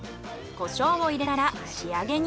コショウを入れたら仕上げに。